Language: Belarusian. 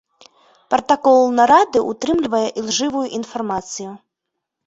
Пратакол нарады ўтрымлівае ілжывую інфармацыю.